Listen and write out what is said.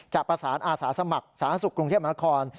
จะประสานอาสาสมัครสถานศักดิ์สุขกรุงเทพมหานคร